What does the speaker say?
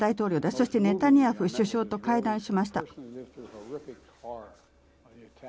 そしてネタニヤフ首相と会談しました。